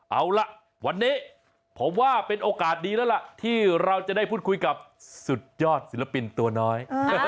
เอาล่ะวันนี้ผมว่าเป็นโอกาสดีแล้วล่ะที่เราจะได้พูดคุยกับสุดยอดศิลปินตัวน้อย